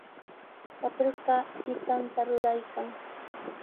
Patrka llikanta ruraykan.